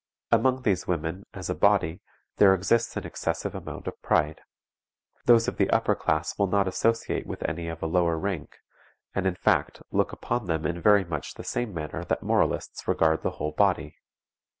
Among these women, as a body, there exists an excessive amount of pride. Those of the upper class will not associate with any of a lower rank, and, in fact, look upon them in very much the same manner that moralists regard the whole body.